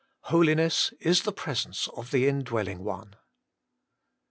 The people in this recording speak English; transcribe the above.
Holiness Is the presence of the Indwelling One.